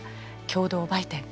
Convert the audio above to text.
共同売店